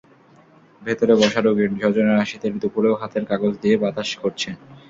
ভেতরে বসা রোগীর স্বজনেরা শীতের দুপুরেও হাতের কাগজ দিয়ে বাতাস করছেন।